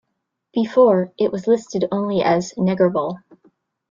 Before it was listed only as "negerboll".